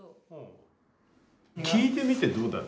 聞いてみてどうだった？